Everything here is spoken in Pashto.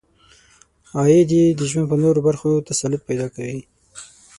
عاید یې د ژوند په نورو برخو تسلط پیدا کوي.